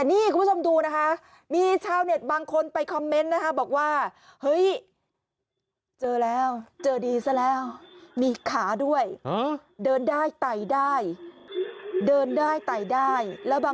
เออดูยากจังลองดูให้จบดูท้ายคลิปค่ะ